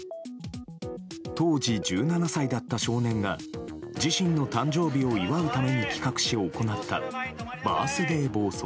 当時１７歳だった少年が自身の誕生日を祝うために企画し行ったバースデー暴走。